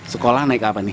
sekolah naik apa nih